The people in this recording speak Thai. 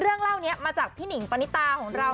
เรื่องเล่านี้มาจากพี่นิ่งปานิตาของเรา